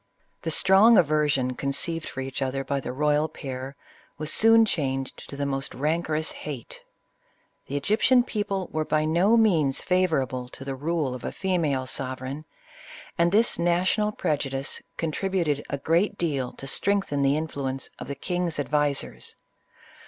The strong aversion conceived for each other by the royal pair was soon changed to the most rancorous hate. The Egyptian people were by no means favor able to the rule of a female sovereign, and this na tional prejudice contributed a great deal to strengthen the influence of the king's advisers.